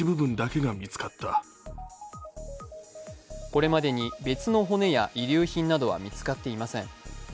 これまでに別の骨や遺留品などは見つかっていません。